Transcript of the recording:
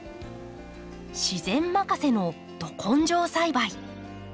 自然任せのど根性栽培。